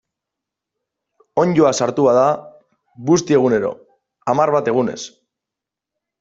Onddoa sartu bada, busti egunero, hamar bat egunez.